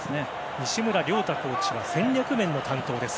西村亮太コーチは戦略面の担当です。